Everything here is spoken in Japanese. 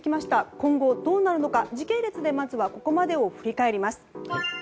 今後どうなるのか、時系列でここまでを振り返ります。